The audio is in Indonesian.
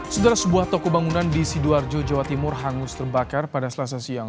setelah sebuah toko bangunan di sidoarjo jawa timur hangus terbakar pada selasa siang